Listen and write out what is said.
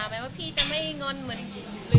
แปลว่าพี่จะไม่งอนเหมือน